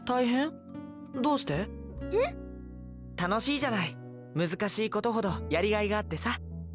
たのしいじゃないむずかしいことほどやりがいがあってさ。